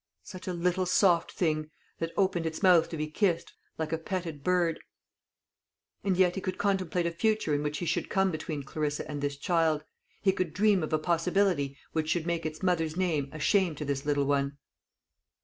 Such a little soft thing, that opened its mouth to be kissed, like a petted bird! And yet he could contemplate a future in which he should come between Clarissa and this child; he could dream of a possibility which should make its mother's name a shame to this little one.